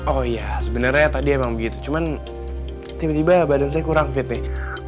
oh ya sebenarnya tadi emang begitu cuman tiba tiba badan saya kurang fit nih